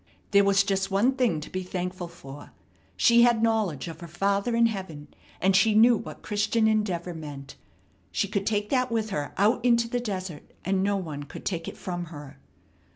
There was just one thing to be thankful for. She had knowledge of her Father in heaven, and she knew what Christian Endeavor meant. She could take that with her out into the desert, and no one could take it from her.